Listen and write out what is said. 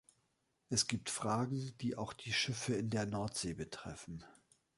Es gibt Fragen, die auch die Schiffe in der Nordsee betreffen.